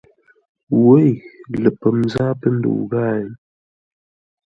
Wěi! Ləpəm zâa pə́ ndə́u ghâa hěiŋ!